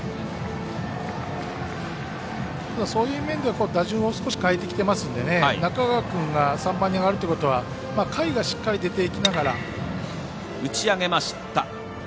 そういう面では打順を少し変えてきていますので中川君が３番に上がるっていうことは下位がしっかり出ていきながら。